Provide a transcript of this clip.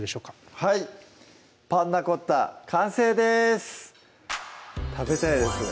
はい「パンナコッタ」完成です食べたいですね